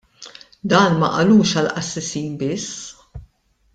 Dan ma qalux għall-qassisin biss.